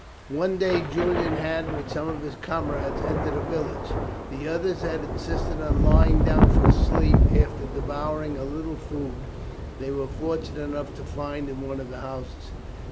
One day Julian had, with some of his comrades, entered a village. The others had insisted on lying down for a sleep, after devouring a little food they were fortunate enough to find in one of the houses.